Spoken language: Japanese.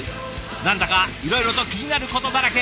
何だかいろいろと気になることだらけ。